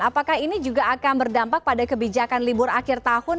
apakah ini juga akan berdampak pada kebijakan libur akhir tahun